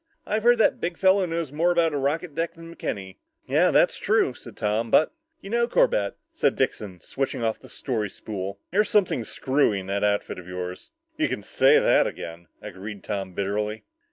"I've heard that big fellow knows more about a rocket deck than McKenny." "Yeah, that's true," said Tom, "but " "You know, Corbett," said Dixon, switching off the story spool, "there's something screwy in that outfit of yours." "You can say that again," agreed Tom bitterly.